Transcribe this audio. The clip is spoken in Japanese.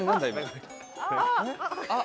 あっ。